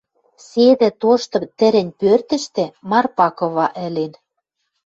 Седӹ тошты тӹрӹнь пӧртӹштӹ Марпа кыва ӹлен.